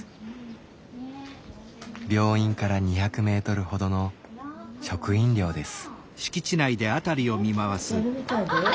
病院から２００メートルほどの職員寮です。